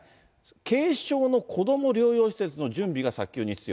軽症の子ども療養施設の準備が早急に必要。